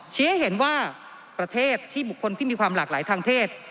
ให้เห็นว่าประเทศที่บุคคลที่มีความหลากหลายทางเพศ